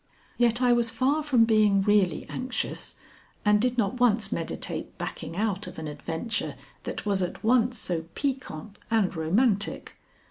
Yet I was far from being really anxious, and did not once meditate backing out of an adventure that was at once so piquant and romantic.